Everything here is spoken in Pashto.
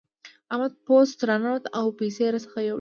احمد په پوست راننوت او پيسې راڅخه يوړې.